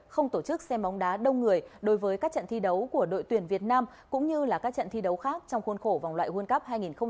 không tổ chức xe móng đá đông người đối với các trận thi đấu của đội tuyển việt nam cũng như là các trận thi đấu khác trong khuôn khổ vòng loại world cup hai nghìn hai mươi hai